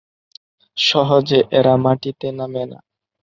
সহজে এরা মাটিতে নামে না।